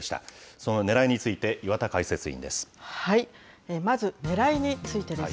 そのねらいについて、岩田解説委員です。